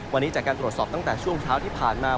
วันนี้จากการตรวจสอบตั้งแต่ช่วงเช้าที่ผ่านมา